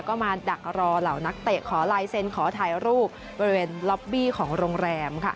ก็มาดักรอเหล่านักเตะขอลายเซ็นต์ขอถ่ายรูปบริเวณล็อบบี้ของโรงแรมค่ะ